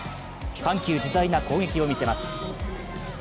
緩急自在な攻撃を見せます。